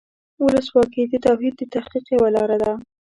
ولسواکي د توحید د تحقق یوه لاره ده.